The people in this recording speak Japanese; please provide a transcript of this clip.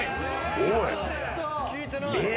おい。